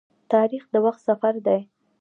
تاریخ د وخت سفر دی.